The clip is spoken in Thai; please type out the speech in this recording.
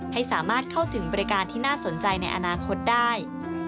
ให้สามารถเข้าถึงบริการที่น่าสนใจในอนาคตได้